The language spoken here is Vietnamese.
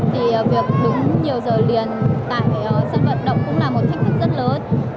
thì việc đúng nhiều giờ liền tại sân vận động cũng là một thách thức rất lớn